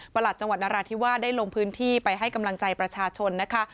หลัดจังหวัดนราธิวาสได้ลงพื้นที่ไปให้กำลังใจประชาชนนะคะ